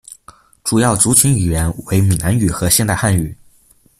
主要族群语言为闽南语和现代汉语。